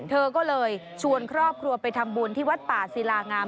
เธอก็เลยชวนครอบครัวไปทำบุญที่วัดป่าศิลางาม